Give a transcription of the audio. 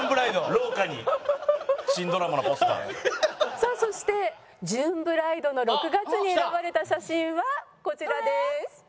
さあそしてジューンブライドの６月に選ばれた写真はこちらです。